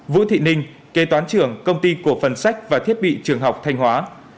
vũ thị ninh kế toán trưởng công ty cổ phần sách và thiết bị trường học thanh hóa